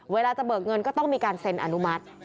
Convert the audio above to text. เวลาจะเบิกเงินก็ต้องมีการเซ็นอนุมัติ